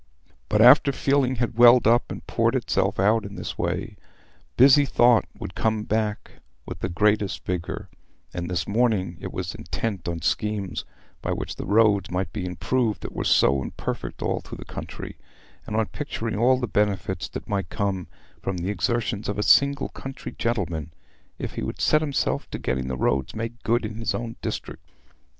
But after feeling had welled up and poured itself out in this way, busy thought would come back with the greater vigour; and this morning it was intent on schemes by which the roads might be improved that were so imperfect all through the country, and on picturing all the benefits that might come from the exertions of a single country gentleman, if he would set himself to getting the roads made good in his own district.